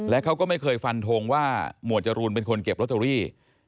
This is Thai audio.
และเขาก็ไม่เคยฟันทงว่าหมวดจรูนเป็นคนเก็บลอตเตอรี่